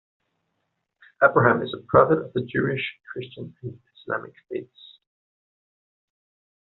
Abraham is a prophet of the Jewish, Christian and Islamic faiths.